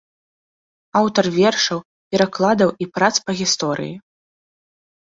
Аўтар вершаў, перакладаў і прац па гісторыі.